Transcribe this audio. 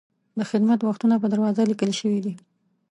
د خدمت وختونه په دروازه لیکل شوي دي.